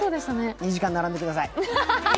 ２時間並んでください。